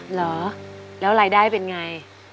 เหรอแล้วรายได้เป็นไง